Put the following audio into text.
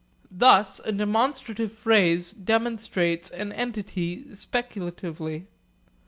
Thus a demonstrative phrase demonstrates an entity speculatively.